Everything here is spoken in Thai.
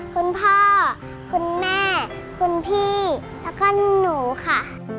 คุณพ่อคุณแม่คุณพี่แล้วก็หนูค่ะ